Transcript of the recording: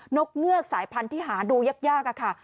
กเงือกสายพันธุ์ที่หาดูยากค่ะ